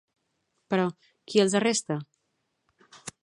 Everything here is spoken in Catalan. Però, qui els arresta?